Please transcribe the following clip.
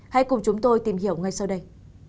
hãy cùng chúng tôi tìm hiểu ngay sau đây